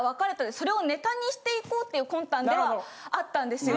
していこうっていう魂胆ではあったんですよ。